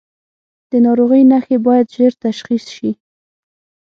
د ناروغۍ نښې باید ژر تشخیص شي.